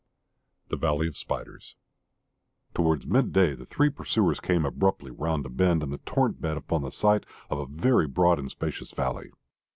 THE VALLEY OF SPIDERS Towards mid day the three pursuers came abruptly round a bend in the torrent bed upon the sight of a very broad and spacious valley.